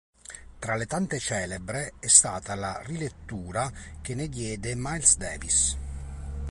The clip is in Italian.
Tra le tante celebre è stata la rilettura che ne diede Miles Davis.